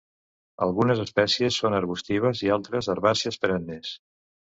Algunes espècies són arbustives i altres són herbàcies perennes.